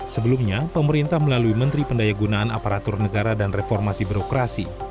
sebelumnya pemerintah melalui menteri pendaya gunaan aparatur negara dan reformasi birokrasi